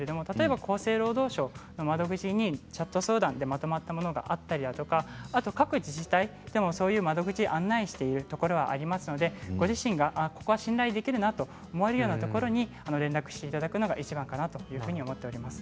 厚生労働省の窓口にチャット相談でまとまったものがあったりとか各自治体でもそういう窓口案内しているところはありますので、ご自身が、ここは信頼できるなと思えるところに連絡していただくのがいちばんかなと思っております。